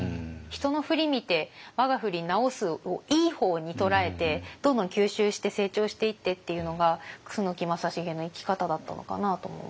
「人のふり見て我がふり直す」をいい方に捉えてどんどん吸収して成長していってっていうのが楠木正成の生き方だったのかなとも思いますね。